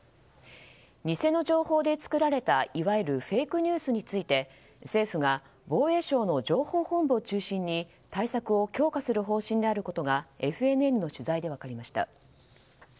偽の情報で作られたいわゆるフェイクニュースについて政府が防衛省の情報本部を中心に対策を強化する方針であることがＦＮＮの取材で分かりました。